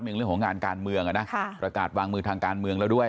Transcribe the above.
เรื่องของงานการเมืองประกาศวางมือทางการเมืองแล้วด้วย